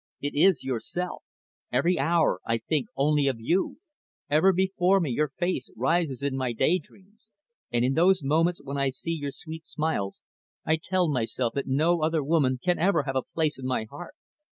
It is yourself. Every hour I think only of you; ever before me your face rises in my day dreams, and in those moments when I see your sweet smiles I tell myself that no other woman can ever have a place in my heart.